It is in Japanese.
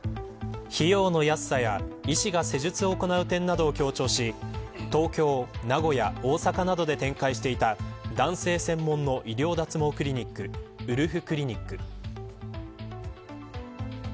費用の安さや、医師が施術を行う点などを強調し東京、名古屋、大阪などで展開していた男性専門の医療脱毛クリニックウルフクリニック。